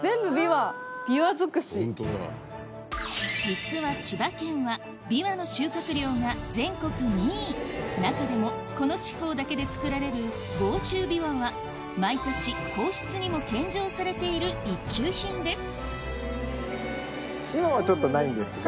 実は千葉県はびわの収穫量が全国２位中でもこの地方だけで作られる房州びわは毎年皇室にも献上されている一級品です